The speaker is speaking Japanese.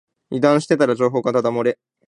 油断してたら情報がだだ漏れ